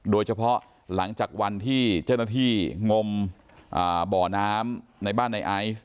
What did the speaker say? โดยเฉพาะหลังจากวันที่เจ้าหน้าที่งมบ่อน้ำในบ้านในไอซ์